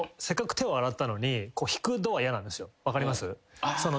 分かります？